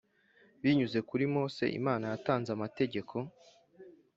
binyuze kuri Mose Imana yatanze amategeko